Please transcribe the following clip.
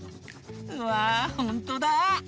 うわほんとだ！